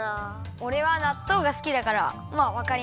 おれはなっとうがすきだからまあわかりますね。